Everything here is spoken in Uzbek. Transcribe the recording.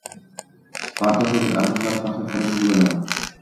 Partiya-sovet arboblari faxriy qorovul bo‘ladi...